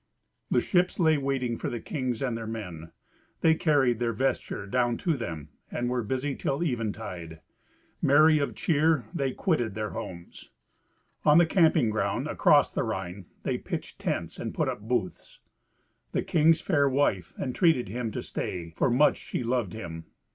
The ships lay waiting for the kings and their men. They carried their vesture down to them, and were busy till eventide. Merry of cheer they quitted their homes. On the camping ground across the Rhine they pitched tents and put up booths. The king's fair wife entreated him to stay, for much she loved him.